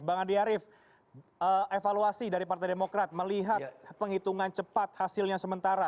bang andi arief evaluasi dari partai demokrat melihat penghitungan cepat hasilnya sementara